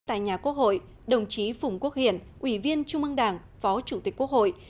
tại nhà quốc hội đồng chí phùng quốc hiển ủy viên trung ương đảng phó chủ tịch quốc hội